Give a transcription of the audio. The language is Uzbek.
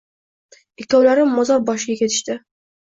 Ikkovlari mozor boshiga ketishdi.